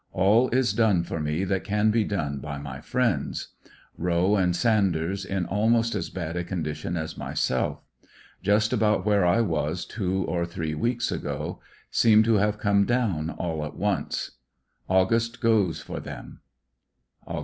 All is done for me that can be done by my friends. Kowe and Sanders in almost as bad a condition as myself. Just about where I was two or three weeks ago. Seem to have come down all at once. August goes for them. Aug.